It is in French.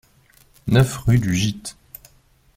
neuf rue du Gite